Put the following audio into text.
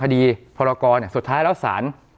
คือผมจะบอกก่อนว่า